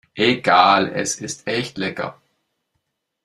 Egal, es ist echt lecker.